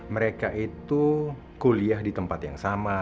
mereka itu kuliah di tempat yang sama